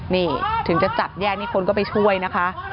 นี่ถึงจะจับแยกนี่คนก็ไปช่วยนะคะ